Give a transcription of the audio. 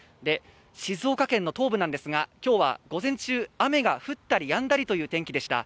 静岡県の東部ですが、今日は午前中雨が降ったりやんだりという天気でした。